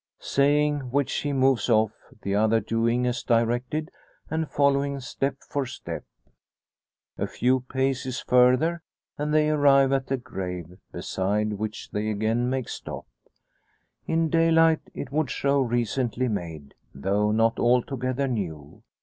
Saying which he moves off, the other doing as directed, and following step for step. A few paces further, and they arrive at a grave; beside which they again make stop. In daylight it would show recently made, though not altogether new.